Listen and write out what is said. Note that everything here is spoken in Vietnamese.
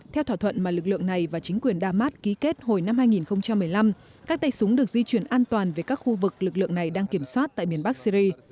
theo thỏa thuận mà lực lượng này và chính quyền damas ký kết hồi năm hai nghìn một mươi năm các tay súng được di chuyển an toàn về các khu vực lực lượng này đang kiểm soát tại miền bắc syri